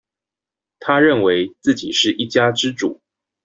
他認為自己是一家之主